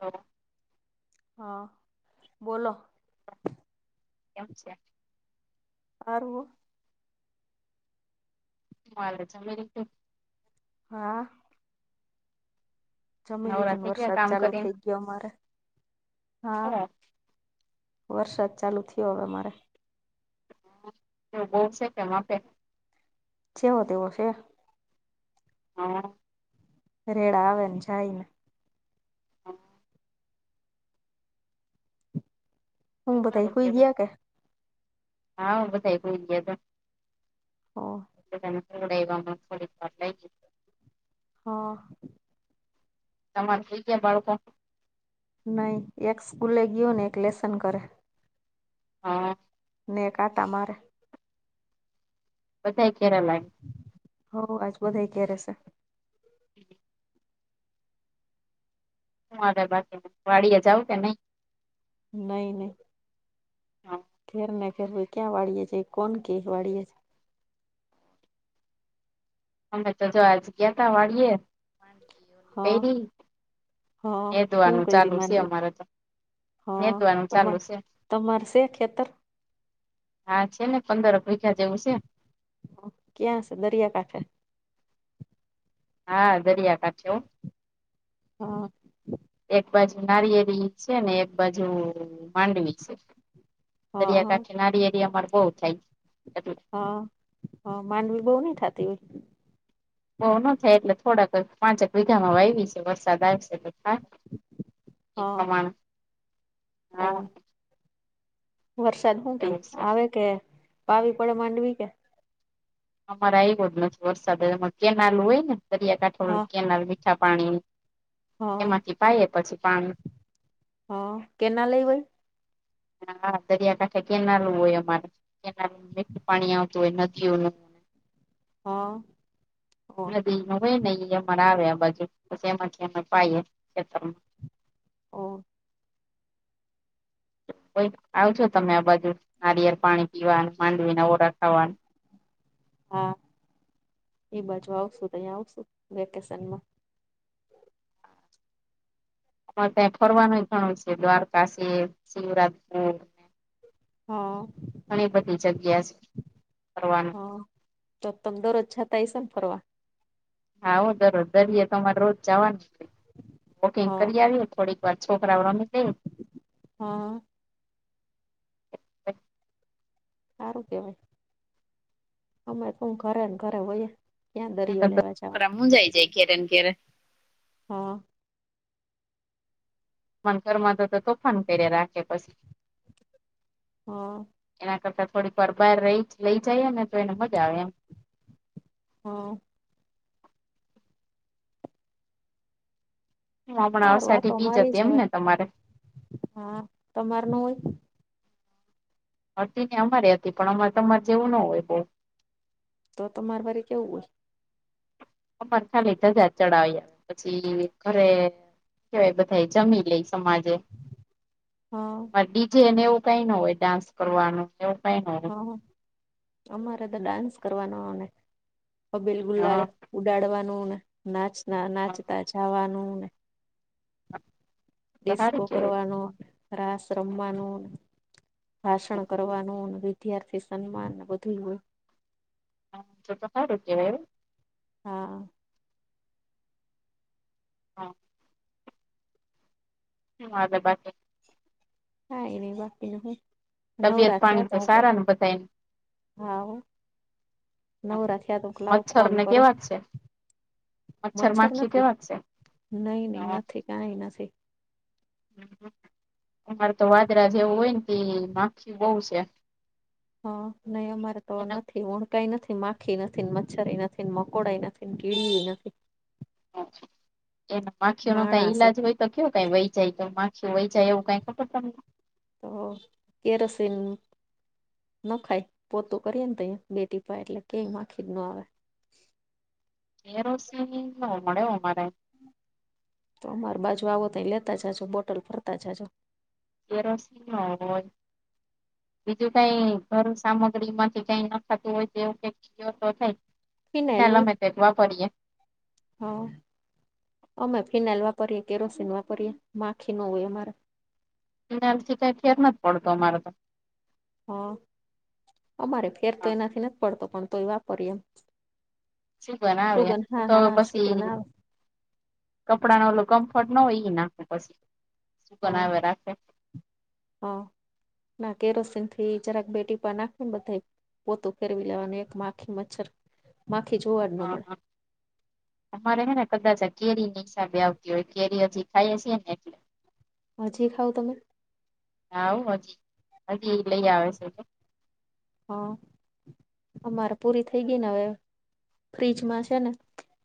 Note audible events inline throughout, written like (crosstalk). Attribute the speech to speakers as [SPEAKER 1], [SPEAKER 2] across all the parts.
[SPEAKER 1] હ
[SPEAKER 2] હા બોલો
[SPEAKER 1] અચ્છ
[SPEAKER 2] આરવો
[SPEAKER 1] (inaudible)
[SPEAKER 2] હા જમી
[SPEAKER 1] નવરા
[SPEAKER 2] લીધો
[SPEAKER 1] થઈ ગયા
[SPEAKER 2] વરસાદ
[SPEAKER 1] કામ
[SPEAKER 2] ચાલુ થઇ
[SPEAKER 1] કરીને
[SPEAKER 2] ગયો અમારે
[SPEAKER 1] ઓ
[SPEAKER 2] હા વરસાદ ચાલુ થયો હવે મારે
[SPEAKER 1] એ બહ છે (unintelligible)
[SPEAKER 2] જે વો તેવો છે
[SPEAKER 1] હા
[SPEAKER 2] રેડા વનજાયને
[SPEAKER 1] હ
[SPEAKER 2] હું બધઈ
[SPEAKER 1] હારું
[SPEAKER 2] હોય ગ
[SPEAKER 1] કેવાય
[SPEAKER 2] આ કે
[SPEAKER 1] હા બધાએ હુઈ ગ્યા તા
[SPEAKER 2] ઓર
[SPEAKER 1] (unintelligible)
[SPEAKER 2] હા
[SPEAKER 1] તમારે થઈ ગયા બાળકો
[SPEAKER 2] નહી એક સ્કૂલે ગયયો ને એક લેસન કરે
[SPEAKER 1] હા
[SPEAKER 2] નેકા તમારે
[SPEAKER 1] બધાય કેરા લાઈ.
[SPEAKER 2] હ આજ બધાાઈ કયા રેશે.
[SPEAKER 1] (unintelligible) હું હ બાકી વાડીયે જાઉં કે નહી.
[SPEAKER 2] નહી નહી. ખેર ના ખેરુ કયા વાડીય જઉં કોન કે વાડીયે છે.
[SPEAKER 1] અમે તો જો આજ ગ્યાતા વાડીયે
[SPEAKER 2] હા
[SPEAKER 1] કેરી
[SPEAKER 2] હા. હું
[SPEAKER 1] નેદવાનું
[SPEAKER 2] કયરી
[SPEAKER 1] ચાલુ છે
[SPEAKER 2] માંડવી
[SPEAKER 1] અમારે તો.
[SPEAKER 2] હા
[SPEAKER 1] નેદવાનું
[SPEAKER 2] તમા
[SPEAKER 1] ચાલુ છે
[SPEAKER 2] તમાર શે ખેતર?
[SPEAKER 1] હા છે ને પંદર વીઘા જેવું છે.
[SPEAKER 2] ક્યાં શે દરિયા કાઠે.
[SPEAKER 1] હા દરિયા કાઠે હો.
[SPEAKER 2] હા.
[SPEAKER 1] એક બાજુ નારિયેરી છે ને એક બાજુ માંડવી છે.
[SPEAKER 2] હા
[SPEAKER 1] દરિયાકાઠે નારીએરિ અમારે બહુ થાય એટ
[SPEAKER 2] હ હ માંડવી બઉ નહી થાતી હોય.
[SPEAKER 1] બહુ ન થાય એટલે થોડાક પાંચક વિઘામાં વાયવી છે વરસાદ આવશે તો થા એ
[SPEAKER 2] હા
[SPEAKER 1] પ્રમાણ
[SPEAKER 2] ઓ
[SPEAKER 1] હા.
[SPEAKER 2] વરસાદ હું કે
[SPEAKER 1] એવું છે.
[SPEAKER 2] આવે કે પાવી પડે માંડવી કે.
[SPEAKER 1] અમારે આયવો જ નથી વરસાદ એમાં કેનાલ હોય ને
[SPEAKER 2] હા
[SPEAKER 1] દરિયાકાંઠે કેનાલ મીઠા પાણીની.
[SPEAKER 2] હા
[SPEAKER 1] એમાંથી પાયયે પછી પાની.
[SPEAKER 2] હા કેનાલ લેવેૈ.
[SPEAKER 1] હા દરિયાકાંઠે કેનાલું હોય અમારે. કેનાલે મીઠુ પાણી આવતું હોય નદીઓનું.
[SPEAKER 2] હા ઓ.
[SPEAKER 1] નદી નું હોય નઈ એ અમારે આવે બાજુ પછી એમાંથી અમે પાએ ખેતરમાં.
[SPEAKER 2] ઓ
[SPEAKER 1] કોઈ આવજો તમે આ બાજુ નારિયેળ પાણી પીવાન માંડવી ના ઓરા ખાવાન.
[SPEAKER 2] હા એ બાજુ આવશું તહીં આવશું વેકેશનમાં.
[SPEAKER 1] હ ત્યાં ફરવાનુંય ગણું શે દ્વારકા શે શિવરાજપુર
[SPEAKER 2] હા
[SPEAKER 1] ઘણી બધી જગ્યા છે ફરવાની.
[SPEAKER 2] હા તો તમ દરરોજ જતાંય હસો ન ફરવા.
[SPEAKER 1] હા હું દરરોજ દરિેયે તો અમારે રોજ જાવાની છે. વોકિંગ
[SPEAKER 2] હા
[SPEAKER 1] કરી આવીયે થોડીક વાર છોકરા રમી દઈ.
[SPEAKER 2] હા. હારું કેવાય અમે તો ઘરે ને ઘરે હોય.
[SPEAKER 1] (unintelligible) કરા મુુંજાય જાય ઘેરેન ઘેરે.
[SPEAKER 2] હા.
[SPEAKER 1] બંધ ઘરમાં તો તો તોફાન કરે રાખે પછી.
[SPEAKER 2] હા.
[SPEAKER 1] એના કરતા થોડીક વાર બાર રહીજ રહી જએ ને તો એને મજા આવે એમ.
[SPEAKER 2] હા.
[SPEAKER 1] હુંમણા
[SPEAKER 2] સારું આટો
[SPEAKER 1] અષાઢી બીજ
[SPEAKER 2] મારી
[SPEAKER 1] હતી એમ
[SPEAKER 2] જવાય
[SPEAKER 1] ને તમારે.
[SPEAKER 2] હા તમાર ન હોય.
[SPEAKER 1] હતી ને અમારે હતી પણ અમારે તમાર જેવું ન હોય બઉ.
[SPEAKER 2] તો તમારે વારે કેવું હોય?
[SPEAKER 1] અમાર ખાલી ધજા ચડાઇએ પછી ઘરે કેવાય બધાય જમી લઈશ સમાજે
[SPEAKER 2] હા
[SPEAKER 1] અન બીજે એને એવું કઈ ન હોય ડાન્સ કરવાનું એવું કઈ ન હોય.
[SPEAKER 2] હા અમારે તો ડાન્સ કરવાનો હો ને કબીલ ગુલાલ ઉડાડવાનું ને નાચતા નાચતા જવાનું ને
[SPEAKER 1] તો સારું
[SPEAKER 2] ડિસ્કો
[SPEAKER 1] કેવાય
[SPEAKER 2] કરવાનો રાસ રમવાનું ભાષણ કરવાનું વિદ્યાર્થી સન્માનને બધું હોય
[SPEAKER 1] હા તો ક રૂકીવાય
[SPEAKER 2] હા
[SPEAKER 1] હા હા અ બા
[SPEAKER 2] હા એ બાપી ન હોય
[SPEAKER 1] તબિયત
[SPEAKER 2] નવરાત આવ
[SPEAKER 1] પાણી
[SPEAKER 2] તો હું
[SPEAKER 1] સારા ને બધા
[SPEAKER 2] હા નવ રાથીયા તોકલાવો
[SPEAKER 1] મચ્છર
[SPEAKER 2] ફોન
[SPEAKER 1] ને
[SPEAKER 2] કરો
[SPEAKER 1] કેવા જ છે
[SPEAKER 2] મચ્છર
[SPEAKER 1] માખી
[SPEAKER 2] નથી
[SPEAKER 1] કેવા જ છે
[SPEAKER 2] નઈ નહી નથી કઈ નથી
[SPEAKER 1] અમારે તો વાદરા જેવું હોય ને માખી બહ છે
[SPEAKER 2] હા નહી અમારે તો
[SPEAKER 1] એના
[SPEAKER 2] નથી ઓણ કઈ નથી માખી નથી મચ્છરી નથી મકોડાઈ નથી કીળ નથી
[SPEAKER 1] હચછા એ માખીઓ ન કઈ
[SPEAKER 2] માણસ
[SPEAKER 1] ઈલાજ હોય તો કેવ કઈ વહી જાય તો માખીઓ વહી જાય એવું કઈ ખબર
[SPEAKER 2] તો કેરોસિન ન ખાય પો તો કરીએ ને ત બેટીીપા એટલે કય માખી જ ના આવે
[SPEAKER 1] એરોસી ન મળેમારે
[SPEAKER 2] તો અમાર બાજુ આવો તો લેતા જાજો બોટલ ફરતા જાજો
[SPEAKER 1] કેરોસનમાં હોય બીજું કઈ ઘરું સામગ્રી માંથી કઈ ન થતું હોય તેવું કઈ જો તો થાયી
[SPEAKER 2] ફિનાઇલ
[SPEAKER 1] ના
[SPEAKER 2] હોય
[SPEAKER 1] લમે તો જ વાપરીએ
[SPEAKER 2] હા અમે ફિનાઇલ વાપરીએ કેરોસીન વાપરીએ માખી ન હોય અમારે
[SPEAKER 1] ફીનાઈલથી તો કાઈ ફેર નથ પડતો અમારે તો.
[SPEAKER 2] હમ્મ. અમારેય ફેર તો એનાથી નથ પડતો પણ તોય વાપરીએ
[SPEAKER 1] સીજન આવે એમ.
[SPEAKER 2] સુગંધ
[SPEAKER 1] હું
[SPEAKER 2] હા
[SPEAKER 1] તો હવે
[SPEAKER 2] હા
[SPEAKER 1] પસી
[SPEAKER 2] સુગંધ આવે
[SPEAKER 1] કપડાનુ ઓલું કમ્ફર્ટ ના હોય ઈ નાખું પસી શુંગન
[SPEAKER 2] હા
[SPEAKER 1] આયવે રાખે.
[SPEAKER 2] હા. ના કેરોસીનથી જરાક બે ટીપા નાખીને બધાય પોતું ફેરવી લેવાનું. એક માખી મચ્છર માખી જોવા જ ન
[SPEAKER 1] હા
[SPEAKER 2] મળે
[SPEAKER 1] હા અમારે હે ને કદાચ આ કેરીની હિસાબે આવતી હોય કેરી હજી ખાઈએ સીએ ને એટલે.
[SPEAKER 2] હજી ખાવ તમે?
[SPEAKER 1] હાવ. હજી હજી લઈ આવે સે ઈ તો
[SPEAKER 2] હા અમારે પૂરી થઈ ગઈ ને હવે ફ્રિજમાં છે ને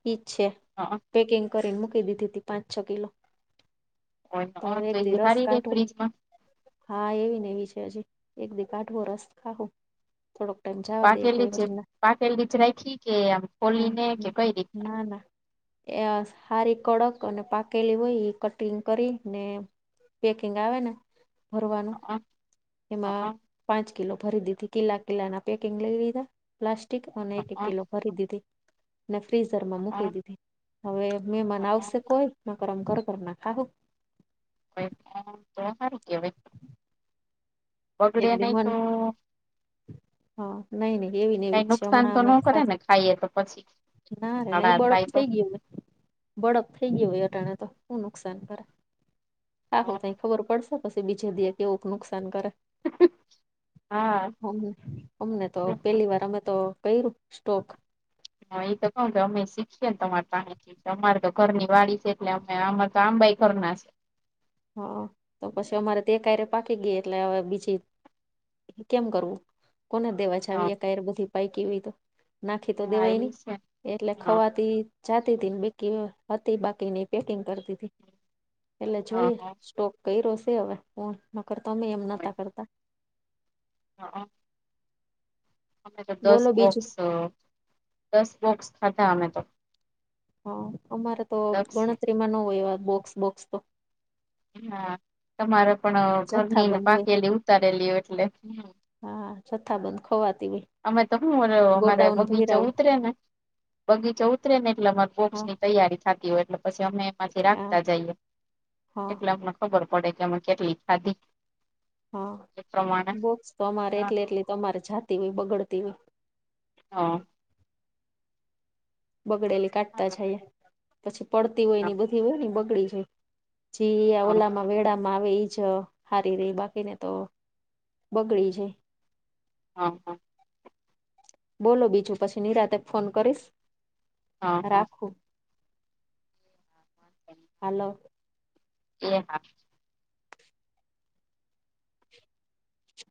[SPEAKER 2] ઈજ છે.
[SPEAKER 1] હા
[SPEAKER 2] પેકિંગ કરીને મૂકી દીધી હતી પાંચ છ કિલો તો
[SPEAKER 1] હા
[SPEAKER 2] હવે એક દિ
[SPEAKER 1] એ
[SPEAKER 2] રસ
[SPEAKER 1] હારી રે
[SPEAKER 2] કાઢવો
[SPEAKER 1] ફ્રીજમાં
[SPEAKER 2] હા એવીને એવી છે હજી એક દી કાઢવો રસ ખાહુ થોડોક ટાઈમ જવા દેએ
[SPEAKER 1] પાકેલી
[SPEAKER 2] કોઈ
[SPEAKER 1] જ
[SPEAKER 2] પછી ના
[SPEAKER 1] પાકેલી જ રાખી કે આમ
[SPEAKER 2] હા
[SPEAKER 1] ખોલીને કે
[SPEAKER 2] હા
[SPEAKER 1] કઈ રીતના
[SPEAKER 2] ના ના એ હારી કડક અને પાકેલી હોય એ કટિંગ કરી ને પેકિંગ આવે ને ભરવાનું એમાં પાંચ કિલો ભરી દીધી કિલ્લા કિલ્લા ના પેકિંગ લઈ લીધા પ્લાસ્ટિક અને એક એક કિલો ભરી દીધી ને ફ્રીઝર માં મૂકી દીધી. હવે મહેમાન આવશે કોઈ નકર અમ ઘર ઘરના ખાહુ.
[SPEAKER 1] તો સારું કેવાય
[SPEAKER 2] એક
[SPEAKER 1] બગડે
[SPEAKER 2] દી
[SPEAKER 1] નય
[SPEAKER 2] મન
[SPEAKER 1] તો
[SPEAKER 2] હા નઈ ન‌ઈ એવી ન
[SPEAKER 1] કઈ
[SPEAKER 2] એવી જ છે
[SPEAKER 1] નુકસાન
[SPEAKER 2] હમણાં
[SPEAKER 1] તો
[SPEAKER 2] અમે
[SPEAKER 1] ન
[SPEAKER 2] એક
[SPEAKER 1] કરે ને
[SPEAKER 2] ખાધી
[SPEAKER 1] ખાઈએ તો પછી
[SPEAKER 2] ના રે ના ઈ
[SPEAKER 1] ઝાડા
[SPEAKER 2] બળફ
[SPEAKER 1] થાય તો
[SPEAKER 2] થઈ ગ્યો હોય બડફ થઈ ગયો હોય અટાણે તો હુ નુકસાન કરે? ખાહુ ખબર પડશે પછી બીજે દી કેવુંક નુકસાન કરે
[SPEAKER 1] (inaudible) હા
[SPEAKER 2] અમને તો પેલ્લી વાર અમે તો કયરુ સ્ટોક
[SPEAKER 1] હા, એ તો કહું કે અમે શીખીએ ને તમારે પાહેથી અમારે તો ઘરની
[SPEAKER 2] હા
[SPEAKER 1] વાડી સે એટલે હા, અમાર તો આંબાઈ ઘરના છે
[SPEAKER 2] હૌ, તો પછી અમારે તો એકહાયરે પાકી ગઈ એટલે હવે બીજી એટલે કેમ કરવું, કોને દેવા છે
[SPEAKER 1] હા
[SPEAKER 2] જાવી, એકહાયરે બધી પાઈકી હોય તો નાખી તો
[SPEAKER 1] હા
[SPEAKER 2] દેવાય નય,
[SPEAKER 1] ઈ છે
[SPEAKER 2] એટલે
[SPEAKER 1] હા
[SPEAKER 2] ખવાતી જાતી તી ને બેકી હવે હતી બાકીની પેકિંગ કરતીતી એટલે
[SPEAKER 1] હા
[SPEAKER 2] જોઈએ
[SPEAKER 1] હા
[SPEAKER 2] સ્ટોક કઈરો શે હવે કો નકરતો અમેય એમ નતા કરતા
[SPEAKER 1] હકઅ અમે તો દસ
[SPEAKER 2] બોલો બીજું
[SPEAKER 1] બોક્સ, અ દસ બોક્સ ખાધા અમે તો
[SPEAKER 2] હા, અમારે તો
[SPEAKER 1] દસ
[SPEAKER 2] ગણતરીમાં ન હોય એવા બોક્સ, બોક્સ તો
[SPEAKER 1] હા, તમારે પણ
[SPEAKER 2] જથ્થા
[SPEAKER 1] ઘરનીને
[SPEAKER 2] બંધ હોય
[SPEAKER 1] પાકેલી ઉતારેલી એટલે
[SPEAKER 2] હા, જથ્થાબંધ ખવાતી હોય
[SPEAKER 1] અમે તો હું અમારે
[SPEAKER 2] ગોડાઉન ભયરા
[SPEAKER 1] બગીચા
[SPEAKER 2] હોય
[SPEAKER 1] ઉતરે ને બગીચે ઉતરે ને એટલે અમાર
[SPEAKER 2] હા
[SPEAKER 1] બોક્સની તૈયારી થાતી એટલે પછી અમે એમાંથી
[SPEAKER 2] હા
[SPEAKER 1] રાખતા જાઈએ
[SPEAKER 2] હા
[SPEAKER 1] એટલે અમને ખબર પડે કે આમા કેટલી ખાધી
[SPEAKER 2] હા,
[SPEAKER 1] એ પ્રમાણે
[SPEAKER 2] બોક્સ તો અમારે
[SPEAKER 1] હા
[SPEAKER 2] એટલે એટલી તમારે જાતી હોય બગડતી હોય
[SPEAKER 1] હા
[SPEAKER 2] બગડેલી કાઢતા
[SPEAKER 1] હા
[SPEAKER 2] જાઈએ પછી પડતી હોયને
[SPEAKER 1] હા
[SPEAKER 2] ઈ બધી હોયને ઈ બગડી જાય જીઈ આ ઓલામાં મેળામાં માવ ઈજ હારી રેય બાકીને તો બગડી જાય
[SPEAKER 1] હા, હા
[SPEAKER 2] બોલો, બીજુ પછી નિરાંતે ફોન કરીશ
[SPEAKER 1] હા હા
[SPEAKER 2] રાખું હાલો
[SPEAKER 1] એ, હા